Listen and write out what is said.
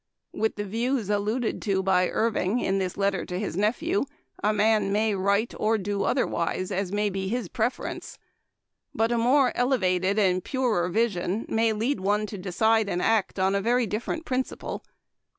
With the views alluded to by Irving in this letter to his nephew a man may write or do otherwise, as may be his preference. But a more elevated and purer vision may lead one to decide and act on a very different principle.